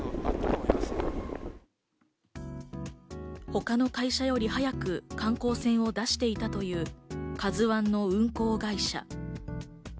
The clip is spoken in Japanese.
他の会社より早く観光船を出していたという「ＫＡＺＵ１」の運航会社。